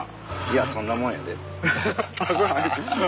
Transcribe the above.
いやそんなもんやで。